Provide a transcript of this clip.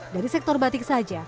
dari sektor batik saja